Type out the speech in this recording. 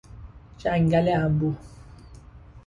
جنگل انبوه